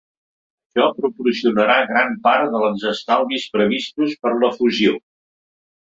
Això proporcionarà gran part dels estalvis previstos per la fusió.